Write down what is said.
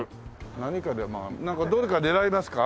何かでまあなんかどれか狙いますか？